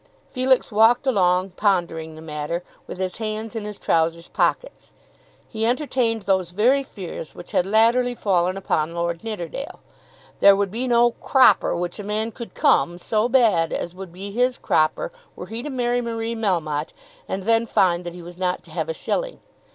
Felix walked along, pondering the matter, with his hands in his trowsers pockets. He entertained those very fears which had latterly fallen upon Lord Nidderdale. There would be no "cropper" which a man could "come" so bad as would be his cropper were he to marry Marie Melmotte, and then find that he was not to have a shilling!